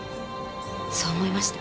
そう思いました。